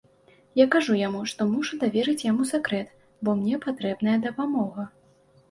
Я кажу яму, што мушу даверыць яму сакрэт, бо мне патрэбная дапамога.